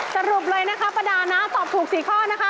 สรุปเลยนะคะประดานะตอบถูก๔ข้อนะคะ